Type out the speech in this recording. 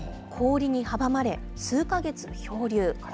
氷に阻まれ、数か月漂流。